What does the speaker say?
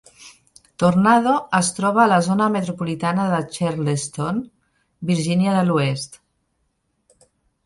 Tornado es troba a la zona metropolitana de Charleston, Virgínia de l'Oest.